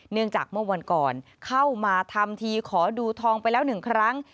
เนื่องจากเมื่อวันก่อนเข้ามาทำทีขอดูทองไปแล้วหนึ่งครั้ง